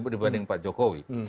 dibanding pak jokowi